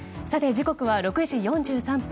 時刻は６時４３分